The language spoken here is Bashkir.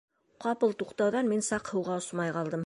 Ҡапыл туҡтауҙан мин саҡ һыуға осмай ҡалдым.